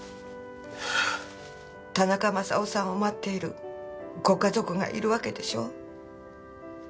田中マサオさんを待っているご家族がいるわけでしょ。